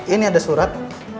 ini ada surat